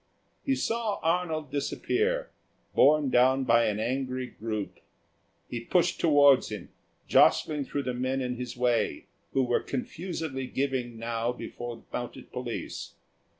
He saw Arnold disappear, borne down by an angry group; he pushed towards him, jostling through the men in his way, who were confusedly giving now before the mounted police.